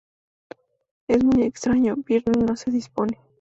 Es muy extraño, Britney no se dispone.